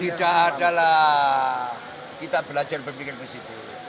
tidak adalah kita belajar berpikir positif